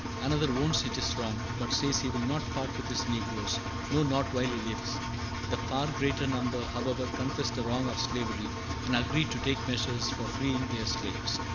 Another "owns it is wrong, but says he will not part with his negroes, no, not while he lives." The far greater number, however, confess the wrong of slavery, and agree to take measures for freeing their slaves.